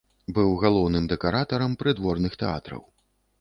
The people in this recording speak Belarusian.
Быў галоўным дэкаратарам прыдворных тэатраў.